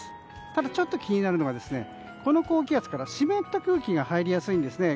ただ、ちょっと気になるのがこの高気圧から湿った空気が入りやすいんですね。